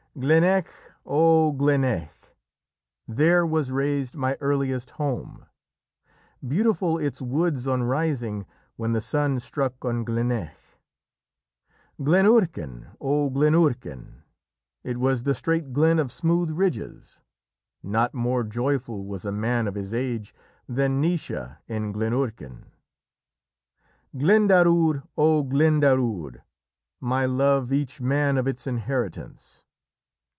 Gleneitche! O Gleneitche! There was raised my earliest home. Beautiful its woods on rising, When the sun struck on Gleneitche. Glen Urchain! O Glen Urchain! It was the straight glen of smooth ridges, Not more joyful was a man of his age Than Naoise in Glen Urchain. Glendaruadh! O Glendaruadh! My love each man of its inheritance.